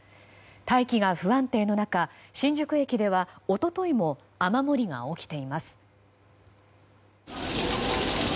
大気が不安定な中新宿駅では一昨日も雨漏りが起きています。